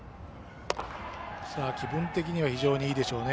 気分的には非常にいいでしょうね。